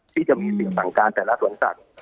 ที่จะมีสิทธิ์สั่งการแต่ละสวนสัตว์